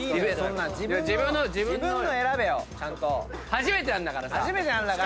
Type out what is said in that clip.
初めてなんだからさ。